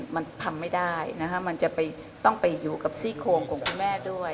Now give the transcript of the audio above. มันทำไม่ได้นะคะมันจะต้องไปอยู่กับซี่โครงของคุณแม่ด้วย